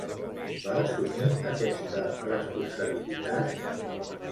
Va assumir aquesta responsabilitat?